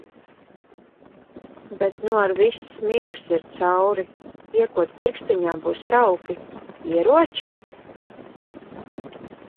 Bet nu ar viss miegs ir cauri! Iekod pirkstiņā, būs tauki. Ieroči?